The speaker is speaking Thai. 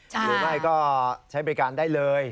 หรือไม่ก็ใช้บริการได้เลย